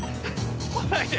来ないで。